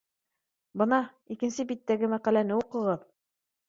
— Бына, икенсе биттәге мәҡәләне уҡығыҙ